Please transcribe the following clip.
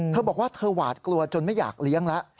เธอบอกว่าเธอหวาดกลัวจนไม่อยากเลี้ยงแล้ว